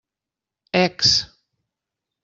Ecs!